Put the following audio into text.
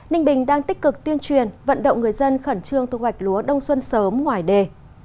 ninh bình đang tích cực tuyên truyền vận động người dân khẩn trương thu hoạch lúa đông xuân sớm ngoài đề